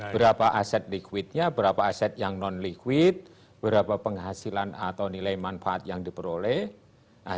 berapa aset liquidnya berapa aset yang non liquid berapa penghasilan atau nilai manfaat yang diperoleh